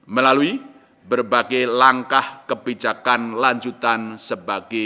melalui berbagai langkah kebijakan lanjutan sebagai